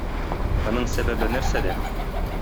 Моның сәбәбе нәрсәдә?